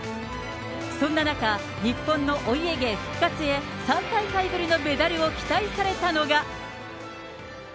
そんな中、日本のお家芸復活へ、３大会ぶりのメダルを期待されたのが。